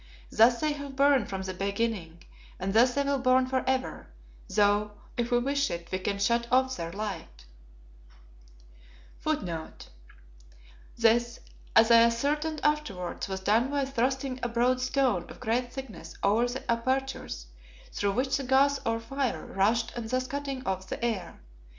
Thus they have burned from the beginning, and thus they will burn for ever, though, if we wish it, we can shut off their light. Be pleased to follow me: you will see greater things." This, as I ascertained afterwards, was done by thrusting a broad stone of great thickness over the apertures through which the gas or fire rushed and thus cutting off the air.